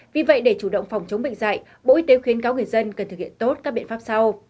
vì vậy để chủ động phòng chống bệnh dạy bộ y tế khuyến cáo người dân cần thực hiện tốt các biện pháp sau